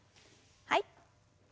はい。